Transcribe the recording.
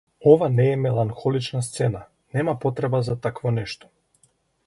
Ова не е меланхолична сцена, нема потреба за такво нешто.